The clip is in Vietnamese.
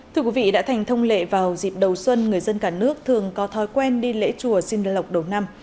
thưa quý vị đã thành thông lệ vào dịp đầu xuân người dân cả nước thường có thói quen đi lễ chùa xin lọc đầu năm